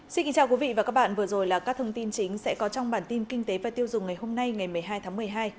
xin kính chào quý vị và các bạn vừa rồi là các thông tin chính sẽ có trong bản tin kinh tế và tiêu dùng ngày hôm nay ngày một mươi hai tháng một mươi hai